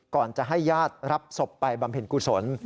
ก่อนจะให้ญาติรับศพไปบำเพ็ญกุศล